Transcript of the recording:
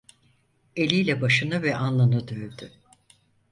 Eliyle başını ve alnını dövdü.